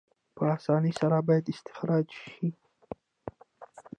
په اسانۍ سره باید استخراج شي.